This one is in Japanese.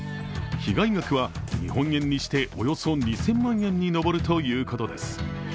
被害額は日本円にしておよそ２０００万円に上るということです。